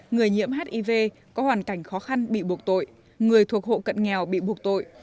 người nhiễm hiv có hoàn cảnh khó khăn bị buộc tội người thuộc hộ cận nghèo bị buộc tội